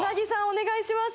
お願いします